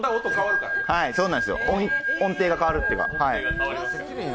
音程が変わるというか。